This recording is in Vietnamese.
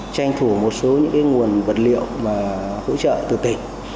tranh thủ một số nguồn vật liệu và hỗ trợ từ tỉnh